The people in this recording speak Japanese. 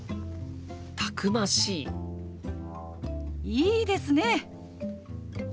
いいですね！